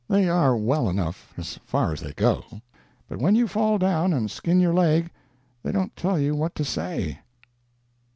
They are well enough as far as they go, but when you fall down and skin your leg they don't tell you what to say.